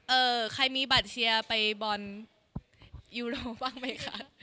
ใครมีบัตรเชียร์ไปบอลยูโรปบ้างไหมคะ